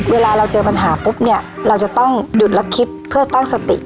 เวลาเราเจอปัญหาปุ๊บเนี่ยเราจะต้องหยุดและคิดเพื่อตั้งสติ